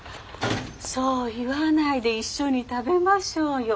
そう言わないで一緒に食べましょうよ。